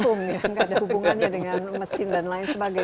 hukum yang tidak ada hubungannya dengan mesin dan lain sebagainya